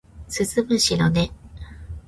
鈴虫の音